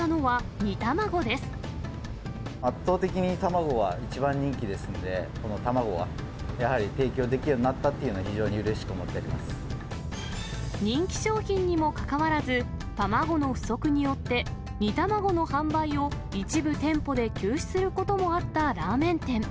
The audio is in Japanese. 圧倒的に卵が一番人気ですんで、この卵がやはり提供できるようになったっていうのは、非常にうれ人気商品にもかかわらず、卵の不足によって煮玉子の販売を、一部店舗で休止することもあったラーメン店。